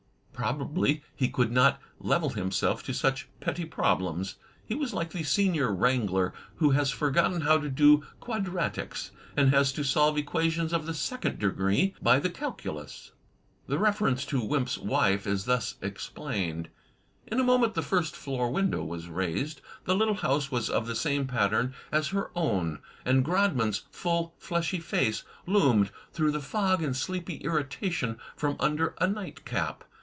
Probably he could not level himself to such petty problems. He was like the senior wrangler who has forgotten how to do quadratics, and has to solve equations of the second degree by the calculus. The reference to Wimp's wife is thus explained: In a moment the first floor window was raised — ^the little house was of the same pattern as her own — ^and Grodman's full, fleshy face loomed through the fog in sleepy irritation from under a night cap.